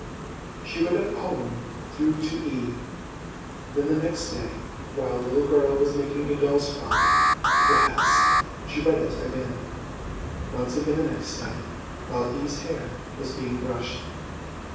She read a poem through to E. ; then the next day, while the little girl was making a doll's frock, perhaps, she read it again ; once again the next day, while E.'s hair was being brushed.